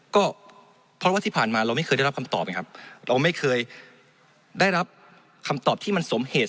ก็เพราะว่าที่ผ่านมาเราไม่เคยได้รับคำตอบไงครับเราไม่เคยได้รับคำตอบที่มันสมเหตุ